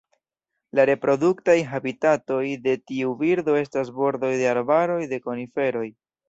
La reproduktaj habitatoj de tiu birdo estas bordoj de arbaroj de koniferoj.